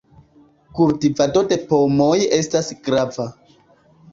Kultivado de pomoj estas grava.